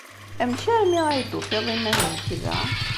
Amek armi ay d-tufiḍ iman-nnek da?